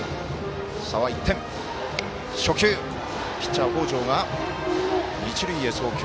初球、ピッチャー、北條が一塁へ送球。